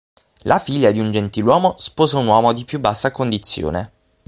La figlia di un gentiluomo sposa un uomo di più bassa condizione.